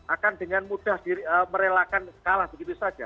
akan dengan mudah merelakan kalah begitu saja